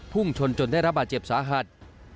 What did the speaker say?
พุ่งชนจนได้รับบาดเจ็บสาหัส